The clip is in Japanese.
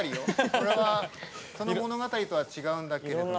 これはその物語とは違うんだけれども。